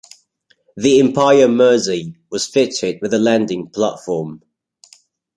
The "Empire Mersey" was fitted with an landing platform.